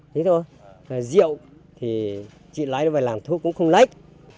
thấy không rượu thì chị lái nó về làm thuốc cũng không lách